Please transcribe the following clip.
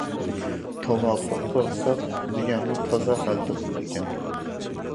توۋا، بۇ قورساق دېگەنمۇ تازا غەلىتە بولىدىكەن.